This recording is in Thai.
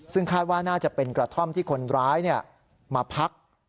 ซึ่งคาดว่าน่าจะเป็นกระท่อมที่คนร้ายมาพัก